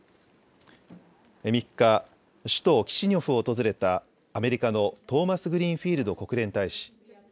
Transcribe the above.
３日、首都キシニョフを訪れたアメリカのトーマスグリーンフィールド国連大使。